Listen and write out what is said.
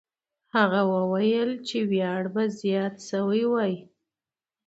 هغه وویل چې ویاړ به زیات سوی وای.